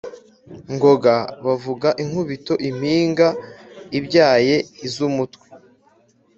Ngoga bavuga inkubito impinga ibyaye iz’umutwe,